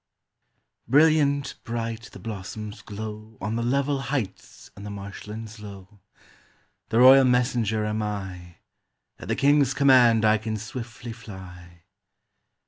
Brilliant bright the blossoms glow On the level heights and the marshlands low. The Royal Messenger am I! At the King's command I can swiftly fly.